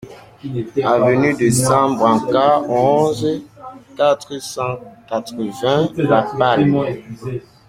Avenue de San Brancat, onze, quatre cent quatre-vingts La Palme